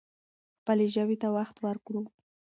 خپلې ژبې ته وخت ورکړو.